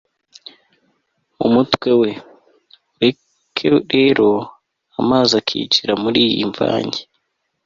mu mutwe we. ureka rero amazi akinjira muriyi mvange